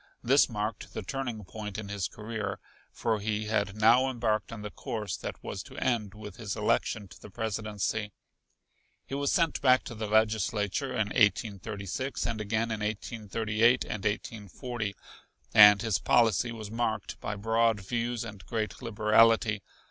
This marked the turning point in his career, for he had now embarked on the course that was to end with his election to the Presidency. He was sent back to the Legislature in 1836 and again in 1838 and 1840; and his policy was marked by broad views and great liberality.